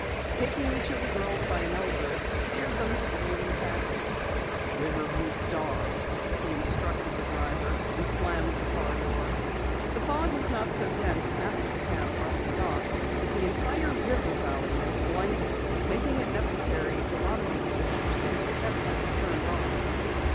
Taking each of the girls by an elbow, he steered them to the waiting taxi. "Riverview Star," he instructed the driver, and slammed the car door. The fog was not so dense after the cab left the docks, but the entire river valley was blanketed, making it necessary for automobiles to proceed with headlights turned on.